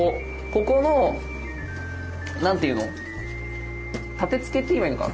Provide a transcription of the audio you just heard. ここの何て言うの立てつけって言えばいいのかな